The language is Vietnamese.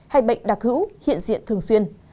hay bệnh đặc hữu hiện diện thường xuyên